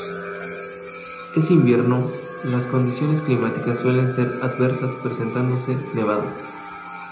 En invierno, las condiciones climáticas suelen ser adversas, presentándose nevadas.